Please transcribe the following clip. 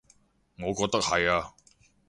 我覺得係呀